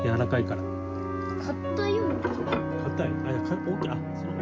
かたいよ。